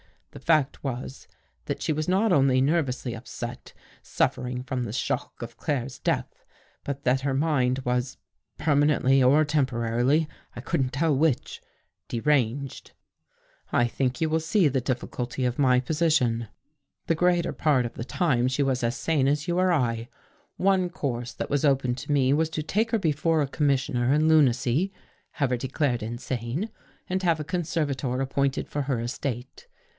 The fact was that she was not only t nervously upset, suffering from the shock of Claire's | death, but that her mind was, permanently or tern | porarily, I couldn't tell which, deranged. i " I think you will see the difficulty of my posi tion. The greater part of the time she was as sane ^ i86 DOCTOR CROW FORGETS as you or I. One course that was open to me was to take her before a commissioner in lunacy, have her declared insane and have a conservator ap pointed for her estate.